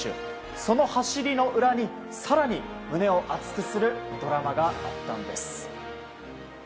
その走りの裏に更に胸を熱くするドラマがあったんです。